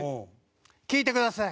聴いてください。